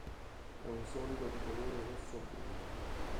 È un solido di colore rosso-bruno.